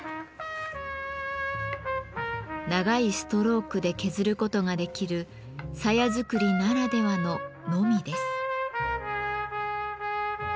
長いストロークで削ることができる鞘作りならではののみです。